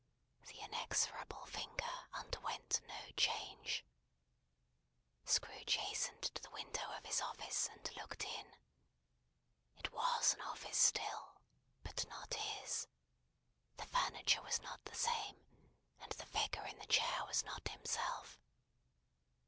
The inexorable finger underwent no change. Scrooge hastened to the window of his office, and looked in. It was an office still, but not his. The furniture was not the same, and the figure in the chair was not himself.